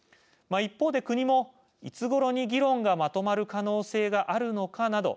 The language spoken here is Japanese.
一方で国も、いつごろに議論がまとまる可能性があるのかな